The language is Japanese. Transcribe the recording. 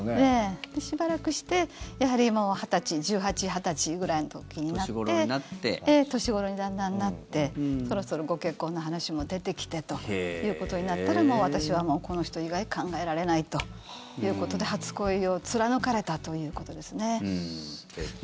しばらくして、１８歳２０歳ぐらいの時になって年頃にだんだんなってそろそろご結婚の話も出てきてということになったらもう私はこの人以外考えられないということで初恋を貫かれたということですね。